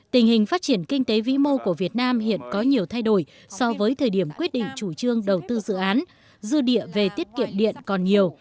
tình hình phát triển kinh tế vĩ mô của việt nam hiện có nhiều thay đổi so với thời điểm quyết định chủ trương đầu tư dự án dư địa về tiết kiệm điện còn nhiều